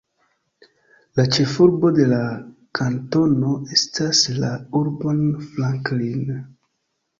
La ĉefurbo de la kantono estas la urbo Franklin.